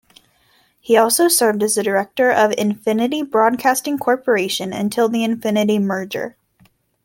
He also served as a director of Infinity Broadcasting Corporation until the Infinity merger.